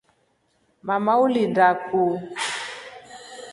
Mama ulinda ku.